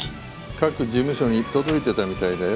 各事務所に届いてたみたいだよ。